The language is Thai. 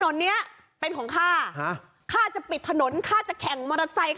ถนนเนี้ยเป็นของข้าข้าจะปิดถนนข้าจะแข่งมอเตอร์ไซค์